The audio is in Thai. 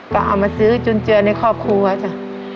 ก็เอามาซื้อจุนเจือในครอบครัวจ้ะ